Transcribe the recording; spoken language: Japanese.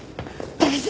大丈夫。